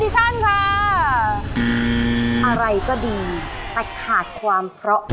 ช่วยฝังดินหรือกว่า